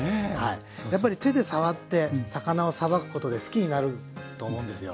やっぱり手で触って魚をさばくことで好きになると思うんですよ。